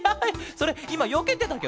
それいまよけてたケロ？